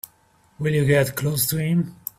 Will you get close to him?